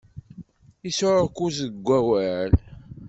Isɛukkuz deg awal.